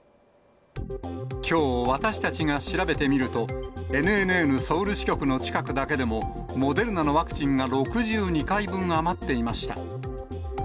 きょう、私たちが調べてみると、ＮＮＮソウル支局の近くだけでも、モデルナのワクチンが６２回分余っていました。